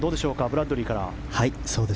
ブラッドリーから。